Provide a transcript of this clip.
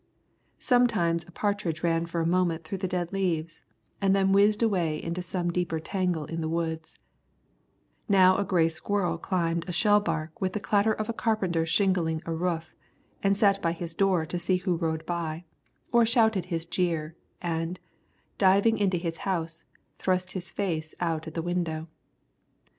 Sometimes a partridge ran for a moment through the dead leaves, and then whizzed away to some deeper tangle in the woods; now a grey squirrel climbed a shell bark with the clatter of a carpenter shingling a roof, and sat by his door to see who rode by, or shouted his jeer, and, diving into his house, thrust his face out at the window.